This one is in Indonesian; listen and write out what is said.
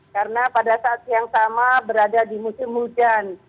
karena pada saat siang sama berada di musim hujan